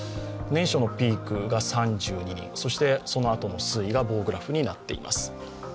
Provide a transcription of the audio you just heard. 年初のピークが３２人、そのあとの推移が棒グラフになっています。